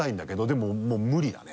でももう無理だね。